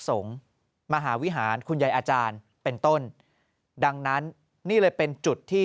สงฆ์มหาวิหารคุณยายอาจารย์เป็นต้นดังนั้นนี่เลยเป็นจุดที่